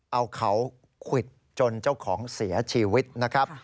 เอาเขาควิดจนเจ้าของเสียชีวิตนะครับ